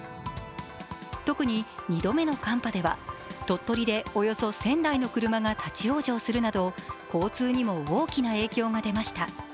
特に２度目の寒波では鳥取でおよそ１０００台の車が立往生するなど交通にも大きな影響が出ました。